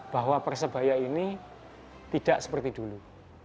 bahwa persebaya ini tidak seperti dulu